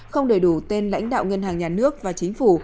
không đầy đủ tên lãnh đạo ngân hàng nhà nước và chính phủ